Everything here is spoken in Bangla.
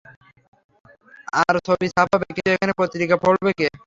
আর ছবি ছাপাবে, কিন্তু এখানে পত্রিকা পড়বে কে?